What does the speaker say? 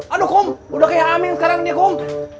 aduh kum udah kayak amin sekarang nih kum